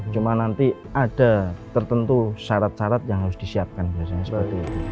cuma nanti ada tertentu syarat syarat yang harus disiapkan biasanya